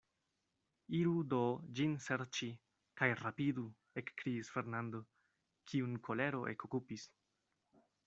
Iru do ĝin serĉi, kaj rapidu, ekkriis Fernando, kiun kolero ekokupis.